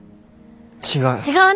違う。